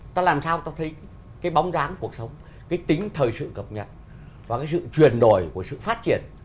ta làm sao ta thấy cái bóng dáng cuộc sống cái tính thời sự cập nhật và cái sự chuyển đổi của sự phát triển